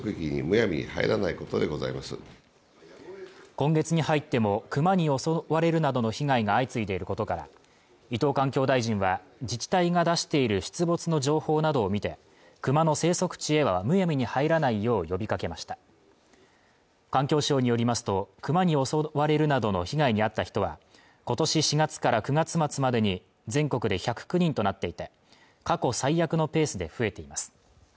今月に入ってもクマに襲われるなどの被害が相次いでいることから伊藤環境大臣は自治体が出している出没の情報などを見てクマの生息地へはむやみに入らないよう呼びかけました環境省によりますとクマに襲われるなどの被害に遭った人は今年４月から９月末までに全国で１０９人となっていて過去最悪のペースで増えています